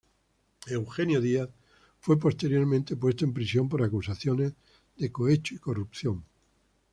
Eugenio Díaz fue posteriormente puesto en prisión por acusaciones de cohecho y corrupción.